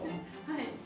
はい。